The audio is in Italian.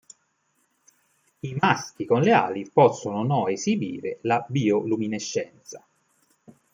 I maschi con le ali possono o no esibire la bioluminescenza.